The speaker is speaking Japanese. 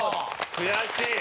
悔しい。